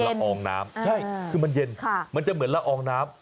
ละอองน้ำใช่คือมันเย็นมันจะเหมือนละอองน้ำ